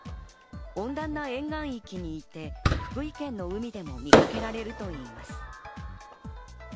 温暖な沿岸域にいて、福井県の海でも見掛けられるといいます。